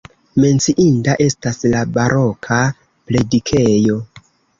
Menciinda estas la baroka predikejo.